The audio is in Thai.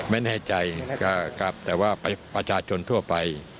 ไม่แน่ใจแต่ว่าประชาชนทั่วไป